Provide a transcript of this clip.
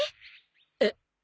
えっ。